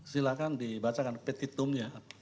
silahkan dibacakan petitumnya